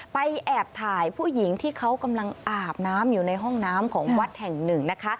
แอบถ่ายผู้หญิงที่เขากำลังอาบน้ำอยู่ในห้องน้ำของวัดแห่งหนึ่งนะคะ